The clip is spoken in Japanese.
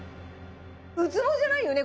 ウツボじゃないよね？